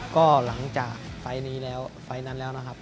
ก็หลังจากไฟล์นี้แล้วไฟล์นั้นแล้วนะครับ